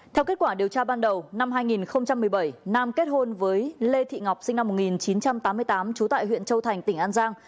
theo kết quả điều tra ban đầu năm hai nghìn một mươi bảy nam kết hôn với lê thị ngọc sinh năm một nghìn chín trăm tám mươi tám trú tại huyện châu thành tỉnh an giang